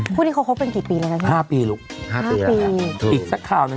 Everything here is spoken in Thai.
พวกนี้เขาคบเป็นกี่ปีแล้วนะ